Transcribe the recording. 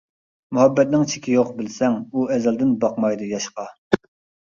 مۇھەببەتنىڭ چېكى يوق بىلسەڭ، ئۇ ئەزەلدىن باقمايدۇ ياشقا.